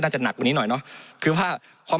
มันตรวจหาได้ระยะไกลตั้ง๗๐๐เมตรครับ